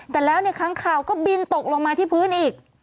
แต่แล้วในค้างข่าวก็บินตกลงมาที่พื้นอีก